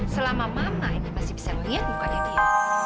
selama mama ini masih bisa melihat mukanya dia